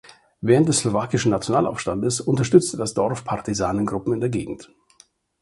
Während des Slowakischen Nationalaufstandes unterstützte das Dorf Partisanengruppen in der Gegend.